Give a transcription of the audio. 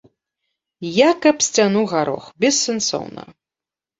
Як аб сцяну гарох, бессэнсоўна.